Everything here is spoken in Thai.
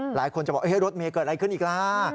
หลายคนจะบอกรถเมย์เกิดอะไรขึ้นอีกล่ะ